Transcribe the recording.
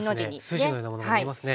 筋のようなものがありますね。